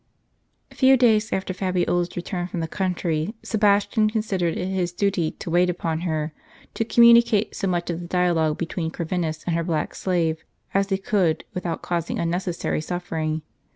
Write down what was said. FEW days after Fabiola's return from the country, Sebastian considered it his duty to wait upon her, to communicate so much of the dialogue between Corvinus and her black slave, as he could without L causing unnecessary suffering.